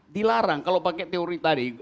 dilarang kalau pakai teori tadi